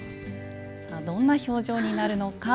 どんな表情になるのか。